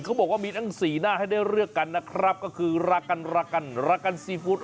เขาบอกว่ามีทั้งสี่หน้าให้ได้เลือกกันนะครับก็คือรักกันรักกันรักกันซีฟู้ด